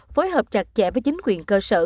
phối hợp chặt chẽ với chính quyền cơ sở